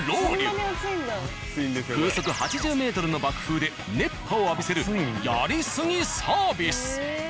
風速８０ｍの爆風で熱波を浴びせるやりすぎサービス。